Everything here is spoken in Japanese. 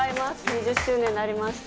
２０周年になりました。